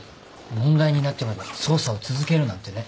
問題になってまで捜査を続けるなんてね。